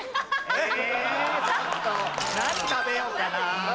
えちょっと何食べようかな？